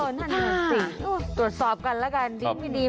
น่าโดโสสอบกันดี